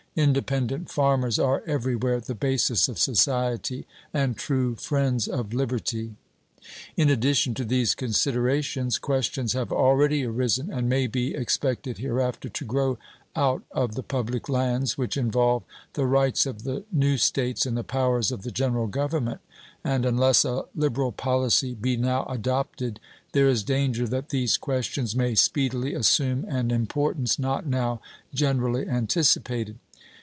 Independent farmers are every where the basis of society and true friends of liberty. In addition to these considerations questions have already arisen, and may be expected hereafter to grow out of the public lands, which involve the rights of the new States and the powers of the General Government, and unless a liberal policy be now adopted there is danger that these questions may speedily assume an importance not now generally anticipated.